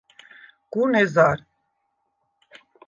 “გუნ ეზარ”.